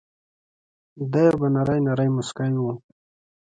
دای به نری نری مسکی و.